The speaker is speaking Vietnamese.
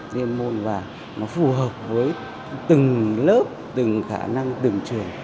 liên môn và nó phù hợp với từng lớp từng khả năng từng trường